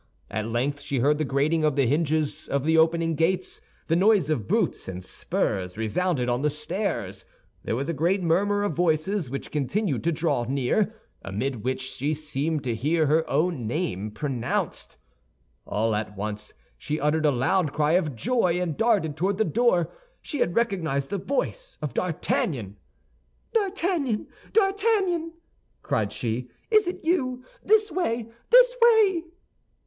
At length she heard the grating of the hinges of the opening gates; the noise of boots and spurs resounded on the stairs. There was a great murmur of voices which continued to draw near, amid which she seemed to hear her own name pronounced. All at once she uttered a loud cry of joy, and darted toward the door; she had recognized the voice of D'Artagnan. "D'Artagnan! D'Artagnan!" cried she, "is it you? This way! this way!"